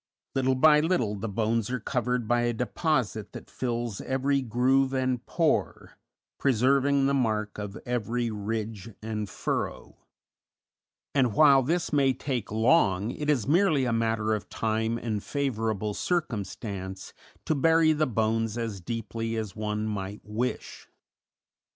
Little by little the bones are covered by a deposit that fills every groove and pore, preserving the mark of every ridge and furrow; and while this may take long, it is merely a matter of time and favorable circumstance to bury the bones as deeply as one might wish.